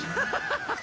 ハハハッ！